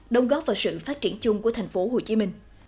đồng góp vào sự phát triển chung của tp hcm